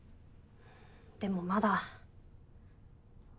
でもまだ。